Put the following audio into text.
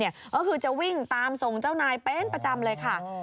ก็คือจะวิ่งตามส่งเจ้านายเป็นประจำเลยค่ะ